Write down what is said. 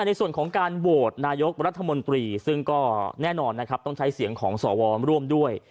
ในส่วนของการโหวตนายกรัฐมนตรีซึ่งก็แน่นอนนะครับต้องใช้เสียงของสวร่วมด้วย